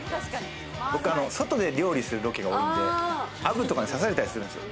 僕、外で料理するロケが多いんで、アブとかに刺されたりするんですよ。